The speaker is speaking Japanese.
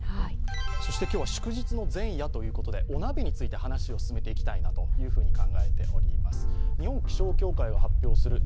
そして今日は祝日の前夜ということでお鍋について話を進めていきたいと考えております。